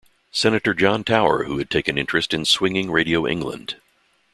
Senator John Tower who had taken interest in Swinging Radio England.